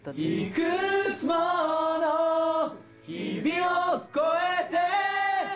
「いくつもの日々を越えて」